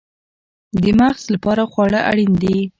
د مغز لپاره خواړه اړین دي